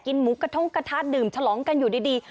หมูกระทงกระทะดื่มฉลองกันอยู่ดี